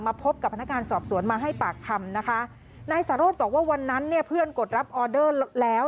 พบกับพนักงานสอบสวนมาให้ปากคำนะคะนายสารโรธบอกว่าวันนั้นเนี่ยเพื่อนกดรับออเดอร์แล้ว